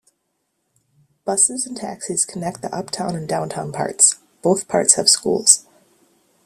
Buses and taxis connect the uptown and downtown parts; both parts have schools.